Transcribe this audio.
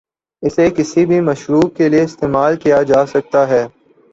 اسے کسی بھی مشروب کے لئے استعمال کیا جاسکتا ہے ۔